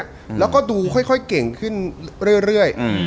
แล้วก็ดูค่อยเก่งขึ้นเรื่อยอืม